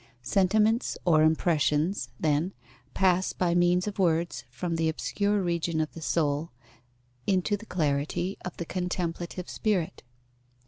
Sentiments or impressions, then, pass by means of words from the obscure region of the soul into the clarity of the contemplative spirit.